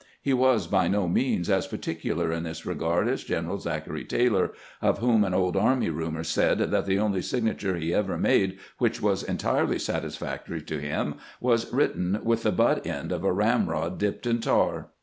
He was by no means as particular in this regard as General Zachary Taylor, of whom an old army rumor said that the only signature he ever made which was entirely satisfactory to him was written with the butt end of a ramrod dipped in tar.